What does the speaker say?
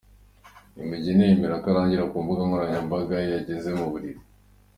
Niwemugeni yemera ko arangarira ku mbuga nkoranyambaga iyo ageze mu buriri.